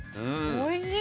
おいしい。